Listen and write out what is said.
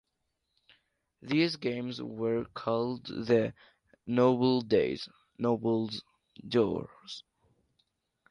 These games were called the "Noble Days" (Nobles jours).